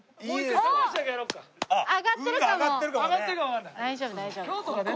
運が上がってるかもね。